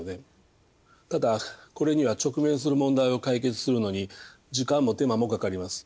ただこれには直面する問題を解決するのに時間も手間もかかります。